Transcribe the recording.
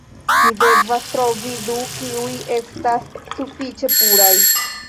Mi devas trovi du, kiuj estas sufiĉe puraj